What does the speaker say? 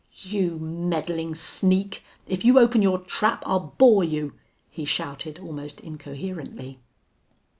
"You meddling sneak! If you open your trap I'll bore you!" he shouted, almost incoherently.